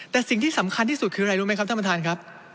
แต่สิ่งที่สำคัญที่สุดคืออะไรรู้ไหมครับท่านประธานครับ